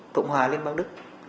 cộng hòa liên bang đức